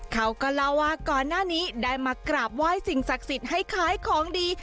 เขาก็เล่าว่าก่อนหน้านี้ได้มากราบไหว้สิ่งศักดิ์สิทธิ์ให้ขายของดี